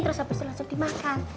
terus abis itu langsung dimakan